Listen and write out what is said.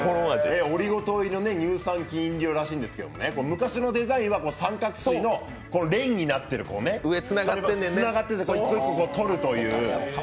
オリゴ糖入りの乳酸菌飲料らしいんですけど昔のデザインは三角すいの連になっているね、つながってて１個１個取るというね。